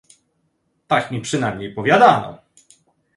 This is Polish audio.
"Tak mi przynajmniej powiadano."